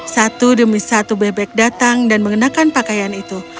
satu demi satu bebek datang dan mengenakan pakaian itu